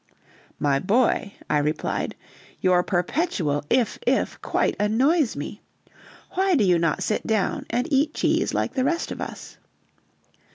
"My boy," I replied, "your perpetual IF, IF, quite annoys me; why do you not sit down and eat cheese like the rest of us."